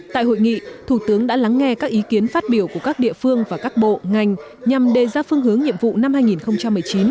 tại hội nghị thủ tướng đã lắng nghe các ý kiến phát biểu của các địa phương và các bộ ngành nhằm đề ra phương hướng nhiệm vụ năm hai nghìn một mươi chín